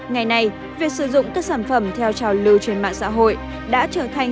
ngày nay việc sử dụng các sản phẩm theo trào lưu trên mạng xã hội đã trở thành